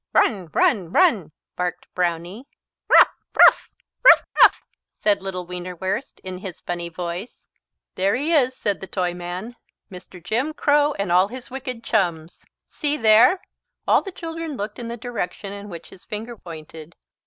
"Run, run, run!" barked Brownie. "Rough, rough rough, rough!" said little Wienerwurst in his funny voice. "There he is," said the Toyman, "Mr. Jim Crow and all his wicked chums. See there!" All the children looked in the direction in which his finger pointed.